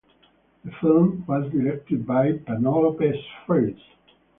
The film was directed by Penelope Spheeris.